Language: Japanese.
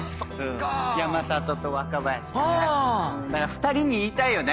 ２人に言いたいよね